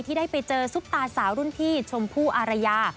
ได้ไปเจอซุปตาสาวรุ่นพี่ชมพู่อารยา